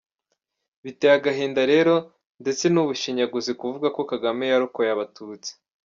Biteye agahinda rero, ndetse ni ubushinyaguzi kuvuga ko kagame yarokoye abatutsi.